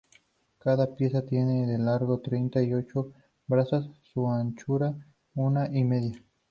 Cada pieza tiene de largo treinta y ocho brazas: su anchura, una y media.